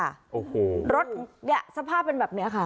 โอ้โหรถเนี่ยสภาพเป็นแบบนี้ค่ะ